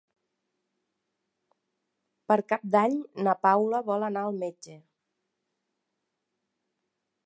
Per Cap d'Any na Paula vol anar al metge.